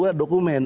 yang kedua dokumen